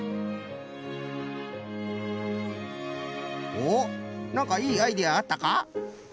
おっなんかいいアイデアあったか？